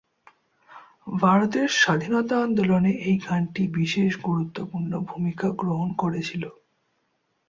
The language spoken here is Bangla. ভারতের স্বাধীনতা আন্দোলনে এই গানটি বিশেষ গুরুত্বপূর্ণ ভূমিকা গ্রহণ করেছিল।